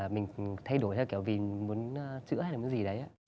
mình thay đổi theo kiểu vì muốn chữa hay là muốn gì đấy ạ